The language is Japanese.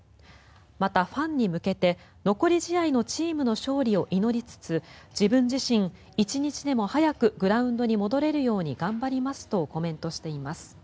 また、ファンに向けて残り試合のチームの勝利を祈りつつ自分自身、一日でも早くグラウンドに戻れるように頑張りますとコメントしています。